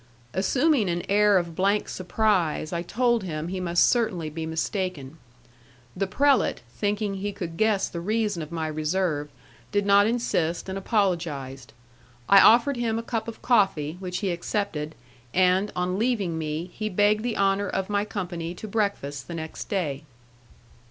Assuming an air of blank surprise, I told him he must certainly be mistaken. The prelate, thinking he could guess the reason of my reserve, did not insist, and apologized. I offered him a cup of coffee, which he accepted, and, on leaving me, he begged the honour of my company to breakfast the next day.